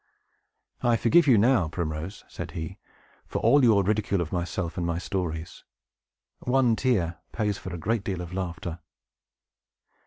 "I forgive you, now, Primrose," said he, "for all your ridicule of myself and my stories. One tear pays for a great deal of laughter."